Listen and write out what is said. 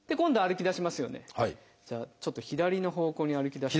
じゃあちょっと左の方向に歩き出して。